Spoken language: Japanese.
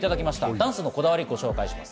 ダンスのこだわりご紹介します。